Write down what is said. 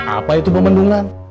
apa itu pemandungan